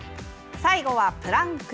最後はプランク。